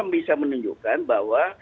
bisa menunjukkan bahwa